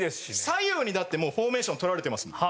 左右にだってフォーメーション取られてますもん。